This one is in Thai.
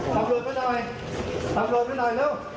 ตำรวจมาหน่อยเร็ว